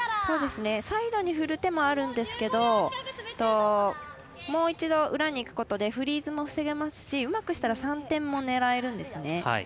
サイドに振る手もあるんですけどもう一度、裏にいくことでフリーズも防げますしうまくしたら３点も狙えるんですね。